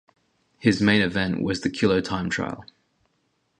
His main event was the Kilo Time Trial.